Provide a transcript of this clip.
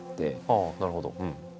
ああなるほど。